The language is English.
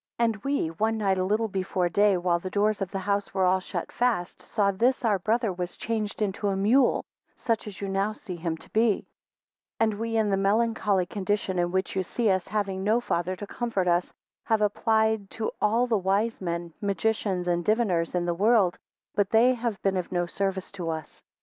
15 And we one night, a little before day, while the doors of the house were all shut fast, saw this our brother was changed into a mule, such as you now see him to be: 16 And we in the melancholy condition in which you see us, having no father to comfort us, have applied to all the wise men, magicians, and diviners in the world, but they have been of no service to us.